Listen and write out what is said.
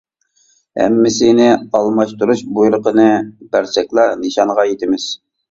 ھەممىسىنى ئالماشتۇرۇش بۇيرۇقىنى بەرسەكلا نىشانغا يىتىمىز.